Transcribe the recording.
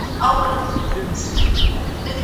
که کورنۍ مثبتې خبرې وکړي، زده کوونکي مایوسه نه کېږي.